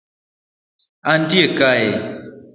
Antie kae